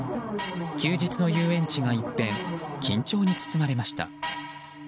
休日の遊園地が一変緊張に包まれました。